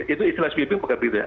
itu istilah sweeping bukan tidak